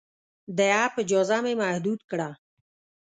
د اپ اجازه مې محدود کړه.